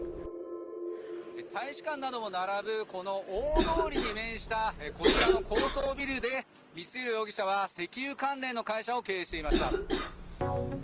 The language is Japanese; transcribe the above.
大使館などが並ぶこの大通りに面したこちらの高層ビルで光弘容疑者は石油関連の会社を経営していました。